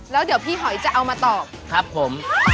แล้วเดี๋ยวพี่หอยจะเอามาตอบครับผม